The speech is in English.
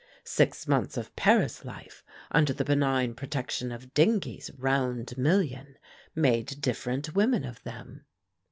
Six months of Paris life under the benign protection of Dingee's round million made different women of them.